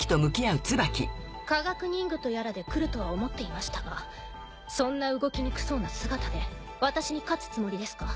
科学忍具とやらで来るとは思っていましたがそんな動きにくそうな姿で私に勝つつもりですか？